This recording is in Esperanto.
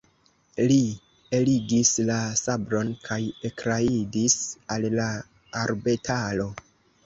Li eligis la sabron kaj ekrajdis al la arbetaro.